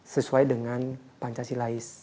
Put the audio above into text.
sesuai dengan pancasilaes